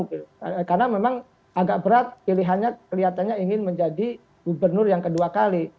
karena memang agak berat pilihannya kelihatannya ingin menjadi gubernur yang kedua kali